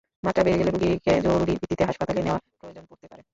মাত্রা বেড়ে গেলে রোগীকে জরুরি ভিত্তিতে হাসপাতালে নেওয়ার প্রয়োজন পড়তে পারে।